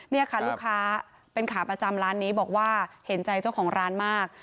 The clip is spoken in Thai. นี่ค่ะลูกค้าเป็นขาประจำร้านนี้บอกว่าเห็นใจเจ้าของร้านมาก